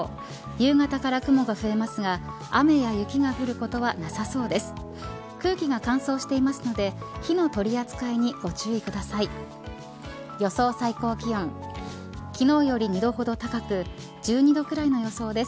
夕方から雲が増えますが雨や雪が降ることはなさそうです。